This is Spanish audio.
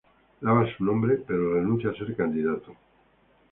Lava su nombre, pero renuncia a ser candidato.